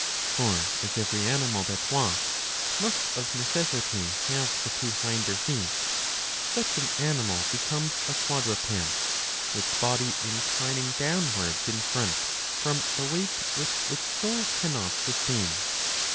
For, as every animal that walks must of necessity have the two hinder feet, such an animal becomes a quadruped, its body inclining downwards in front from the weight which its soul cannot sustain.